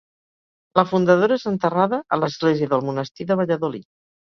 La fundadora és enterrada a l'església del monestir de Valladolid.